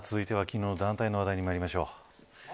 続いては昨日、団体の話題にまいりましょう。